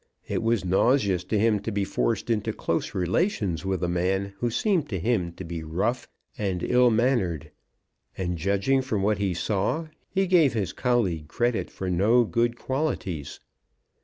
It was nauseous to him to be forced into close relations with a man who seemed to him to be rough and ill mannered. And, judging from what he saw, he gave his colleague credit for no good qualities.